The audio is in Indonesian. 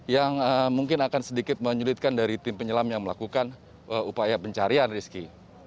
yang mungkin akan sedikit menyulitkan dari tim penyelam yang melakukan upaya pencarian rizky